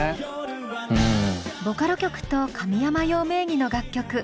ボカロ曲と神山羊名義の楽曲。